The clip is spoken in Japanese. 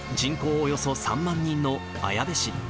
およそ３万人の綾部市。